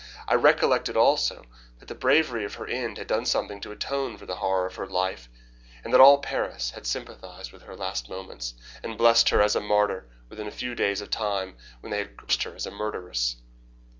I recollected also that the bravery of her end had done something to atone for the horror of her life, and that all Paris had sympathized with her last moments, and blessed her as a martyr within a few days of the time when they had cursed her as a murderess.